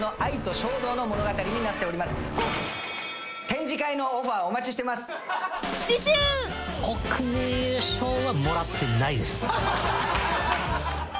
展示会のオファーお待ちしてます。